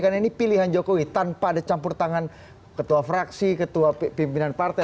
karena ini pilihan jokowi tanpa ada campur tangan ketua fraksi ketua pimpinan partai